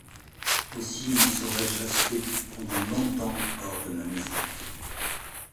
Aussi ne saurais-je rester pendant longtemps hors de ma maison…